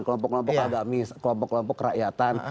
kelompok kelompok agamis kelompok kelompok kerakyatan